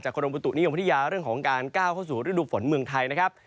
กรมบุตุนิยมพัทยาเรื่องของการก้าวเข้าสู่ฤดูฝนเมืองไทยนะครับ